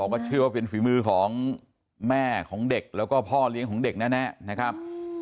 ว่าเชื่อว่าเป็นฝีมือของแม่ของเด็กแล้วก็พ่อเลี้ยงของเด็กแน่นะครับ